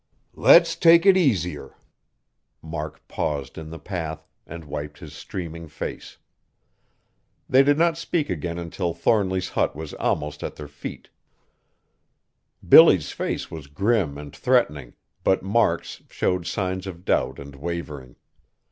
"Let's take it easier;" Mark paused in the path, and wiped his streaming face. They did not speak again until Thornly's hut was almost at their feet. Billy's face was grim and threatening, but Mark's showed signs of doubt and wavering.